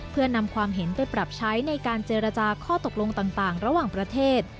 เพื่อนำความเห็นไปปรับใช้ในการเจรจาข้อตกลงต่างระหว่างประเทศ